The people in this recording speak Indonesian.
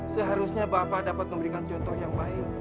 seharusnya bapak dapat memberikan contoh yang baik